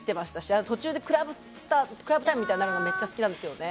あと途中でクラブクラブタイムみたいになるのがめっちゃ好きなんですよね。